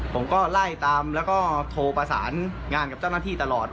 ผมก็ไล่ตามแล้วก็โทรประสานงานกับเจ้าหน้าที่ตลอด